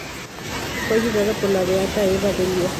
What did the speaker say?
Fue ayudada por la beata Eva de Lieja.